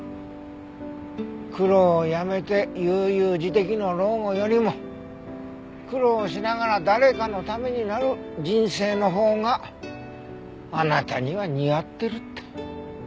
苦労をやめて悠々自適の老後よりも苦労しながら誰かのためになる人生のほうがあなたには似合ってるって。